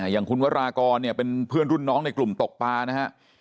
อย่างคุณวรากรเนี่ยเป็นเพื่อนรุ่นน้องในกลุ่มตกปลานะฮะ